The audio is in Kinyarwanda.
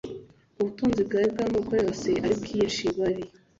ubutunzi bwawe bw amoko yose ari bwinshi bari